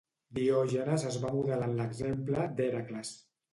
Diògenes es va modelar en l'exemple d'Hèracles.